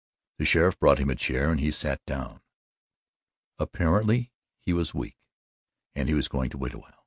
The sheriff brought him a chair and he sat down. Apparently he was weak and he was going to wait a while.